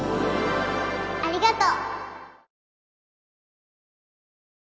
ありがとう。